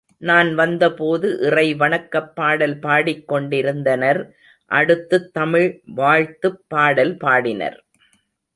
நான் வந்தபோது இறை வணக்கப் பாடல் பாடிக் கொண்டிருந்தனர் அடுத்துத் தமிழ் வாழ்த்துப் பாடல் பாடினர்.